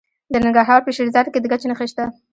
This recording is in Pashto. د ننګرهار په شیرزاد کې د ګچ نښې شته.